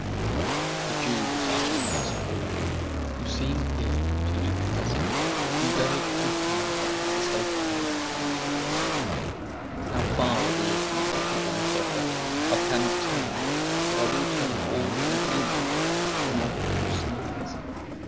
The Jew was utterly crestfallen. "You seem here," continued the professor, "to be very ignorant of the state of things." "How far we are ignorant," rejoined Servadac, "I cannot tell. But I will tell you all that we do know, and all that we have surmised."